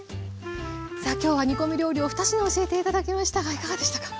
さあ今日は煮込み料理を２品教えて頂きましたがいかがでしたか？